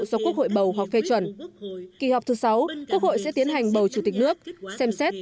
do quốc hội bầu hoặc phê chuẩn kỳ họp thứ sáu quốc hội sẽ tiến hành bầu chủ tịch nước xem xét